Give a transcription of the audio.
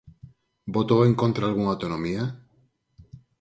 Votou en contra algunha autonomía?